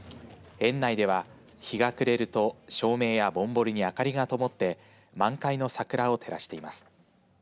園内では日が暮れると照明やぼんぼりに明かりがともって満開の桜を照らしています。